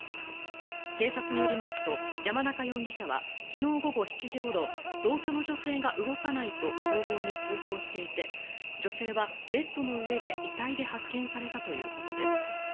警察によりますと山中容疑者は昨日午後７時ごろ同居の女性が動かないと消防に通報していて女性はベッドの上で遺体で発見されたということです。